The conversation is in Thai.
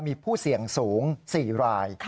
มีผู้เสี่ยงสูง๔ราย